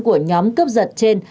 của nhóm cướp giật trên